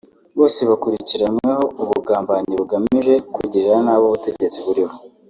Bose bakurikiranweho ubugambanyi bugamije kugirira nabi ubutegetsi buriho